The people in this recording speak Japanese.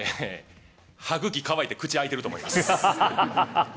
歯ぐき乾いて口開いてると思います